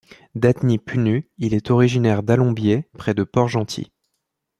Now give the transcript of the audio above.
D'ethnie punu, il est originaire d’Alombié, près de Port-Gentil.